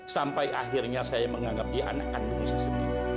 sampai akhirnya saya menganggap dia anak kandung saya sendiri